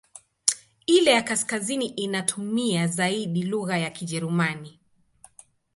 Ile ya kaskazini inatumia zaidi lugha ya Kijerumani.